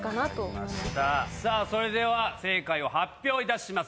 それでは正解を発表いたします。